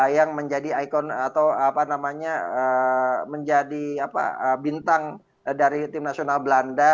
yang menjadi ikon atau apa namanya menjadi bintang dari tim nasional belanda